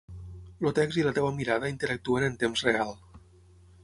El text i la teva mirada interactuen en temps real.